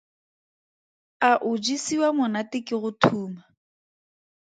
A o jesiwa monate ke go thuma?